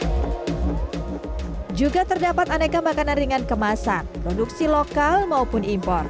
kemasan produksi lokal maupun imporan dan juga terdapat aneka makanan ringan kemasan produksi lokal maupun